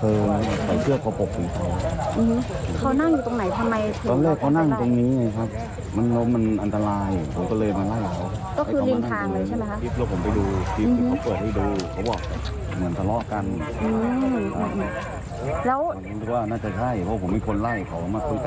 ชายต้องสงสัยที่พี่ว่าลักษณะข้างเขาเป็นอย่างไร